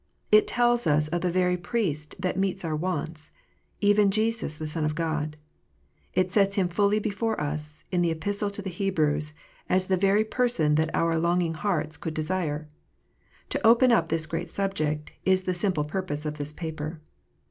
It tells us of the very Priest that meets our wants, even Jesus the Son of God. It sets Him fully before us, in the Epistle to the Hebrews, as the very Person that our longing hearts could desire. To open up this great subject is the simple purpose of this paper.